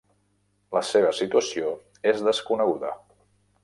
La seva situació és desconeguda.